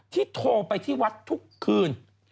โทรไปที่วัดทุกคืน